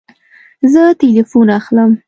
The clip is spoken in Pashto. زه تلیفون اخلم